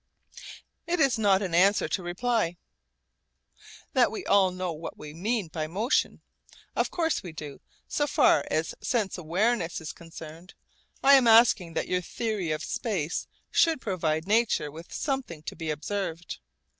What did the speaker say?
It is not an answer to reply, that we all know what we mean by motion. Of course we do, so far as sense awareness is concerned. I am asking that your theory of space should provide nature with something to be observed.